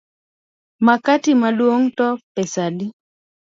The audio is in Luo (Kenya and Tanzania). Makati maduong’ to pesa adi?